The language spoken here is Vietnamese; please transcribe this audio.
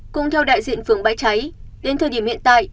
cũng theo đại diện phường bãi cháy đến thời điểm hiện tại